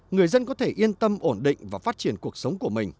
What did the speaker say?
người dân có thể yên tâm ổn định và phát triển